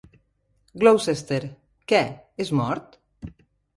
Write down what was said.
"Gloucester": Què, és mort?